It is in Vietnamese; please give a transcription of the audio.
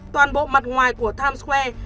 toàn bộ mặt ngoài của times square